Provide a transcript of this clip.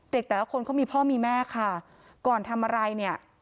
แต่ละคนเขามีพ่อมีแม่ค่ะก่อนทำอะไรเนี่ย